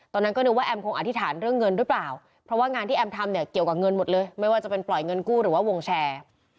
ตอนนั้นก็นึกว่าแอมคงอธิษฐานเรื่องเงินหรือเปล่าเพราะว่างานที่แอมทำเนี่ยเกี่ยวกับเงินหมดเลยไม่ว่าจะเป็นปล่อยเงินกู้หรือว่าวงแชร์